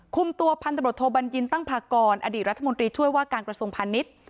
คุมตัวพันธบทโทบัญญินตั้งพากรอดีตรัฐมนตรีช่วยว่าการกระทรวงพาณิชย์